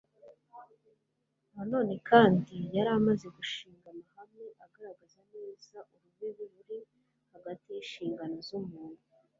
na none kandi yari amaze gushinga amahame agaragaza neza urubibi ruri hagati y'inshingano z'umuntu